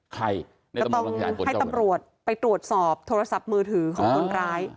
ก็ต้องให้ตำรวจไปทรวจสอบทุรสับมือถือของพรุงร้าย